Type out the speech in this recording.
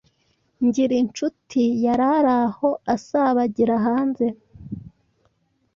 Ngirincuti yari aho asabagira hanze